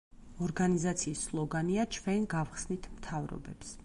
ორგანიზაციის სლოგანია „ჩვენ გავხსნით მთავრობებს“.